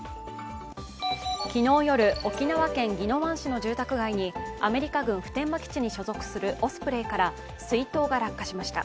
昨日夜、沖縄県宜野湾市の住宅街にアメリカ軍普天間基地に所属するオスプレイから水筒が落下しました。